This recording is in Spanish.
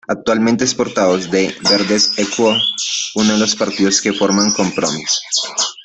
Actualmente es portavoz de Verdes Equo, uno de los partidos que forman Compromís.